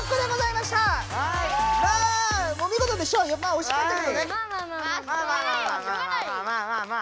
まあまあまあまあ。